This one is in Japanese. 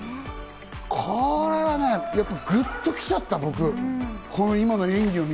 これはね、やっぱグッと来ちゃった、僕。